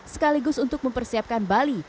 sekaligus untuk mempersiapkan bali